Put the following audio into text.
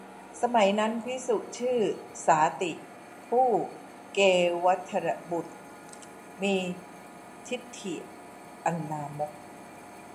สมัยนั้น ภิกษุชื่อสาติ ผู้เกวัฏฏบุตรมีทิฏฐิอันลามก